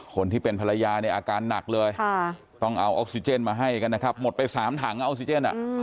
คนที่เป็นภรรยาเนี่ยอาการหนักเลยต้องเอาออกซิเจนมาให้กันนะครับหมดไป๓ถังออกซิเจน